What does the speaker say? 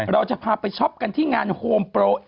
เราจะพาไปช้อปกันที่งานโฮมโปรเอสโปร